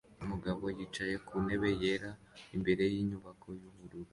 Umugabo yicaye ku ntebe yera imbere yinyubako yubururu